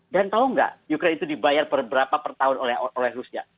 dan tahu tidak ukraine itu dibayar per berapa per tahun oleh rusia